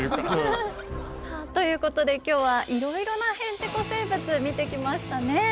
さあということで今日はいろいろな「へんてこ生物」見てきましたね。